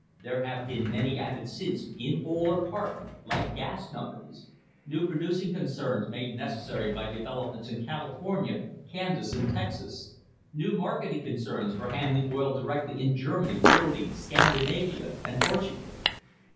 There have been many added since, in whole or part, like gas companies; new producing concerns, made necessary by developments in California, Kansas and Texas ; new mar keting concerns for handling oil directly in Germany, Italy, Scandinavia and Portugal.